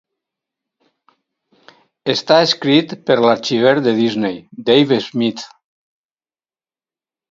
Està escrit per l'arxiver de Disney, Dave Smith.